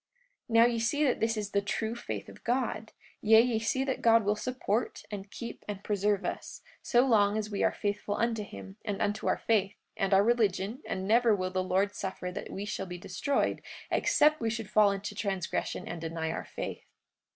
44:4 Now ye see that this is the true faith of God; yea, ye see that God will support, and keep, and preserve us, so long as we are faithful unto him, and unto our faith, and our religion; and never will the Lord suffer that we shall be destroyed except we should fall into transgression and deny our faith.